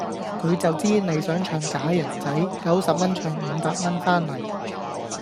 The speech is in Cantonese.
佢就知你想唱假人仔，九十蚊唱五百蚊番嚟